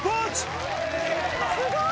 すごーい！